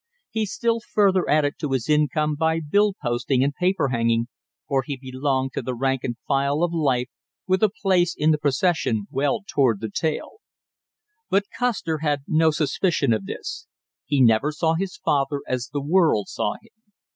He still further added to his income by bill posting and paper hanging, for he belonged to the rank and file of life, with a place in the procession well toward the tail. But Custer had no suspicion of this. He never saw his father as the world saw him.